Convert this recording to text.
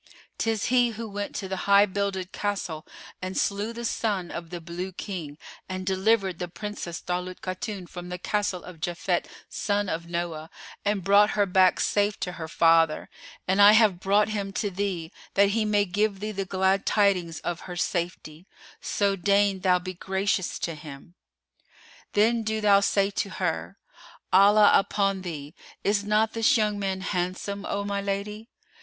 [FN#457] 'Tis he who went to the High builded Castle and slew the son of the Blue King and delivered the Princess Daulat Khatun from the Castle of Japhet son of Noah and brought her back safe to her father: and I have brought him to thee, that he may give thee the glad tidings of her safety: so deign thou be gracious to him. Then do thou say to her:—Allah upon thee! is not this young man handsome, O my lady?